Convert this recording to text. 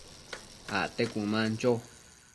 acte cuëman cho